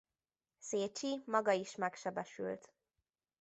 Szécsi maga is megsebesült.